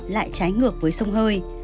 lại trái ngược với sông hơi